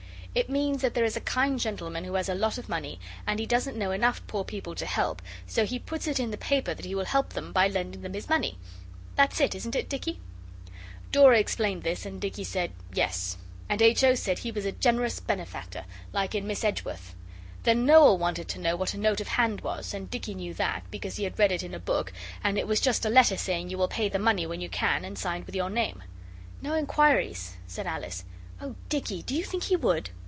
'It means that there is a kind gentleman who has a lot of money, and he doesn't know enough poor people to help, so he puts it in the paper that he will help them, by lending them his money that's it, isn't it, Dicky?' Dora explained this and Dicky said, 'Yes.' And H. O. said he was a Generous Benefactor, like in Miss Edgeworth. Then Noel wanted to know what a note of hand was, and Dicky knew that, because he had read it in a book, and it was just a letter saying you will pay the money when you can, and signed with your name. 'No inquiries!' said Alice. 'Oh Dicky do you think he would?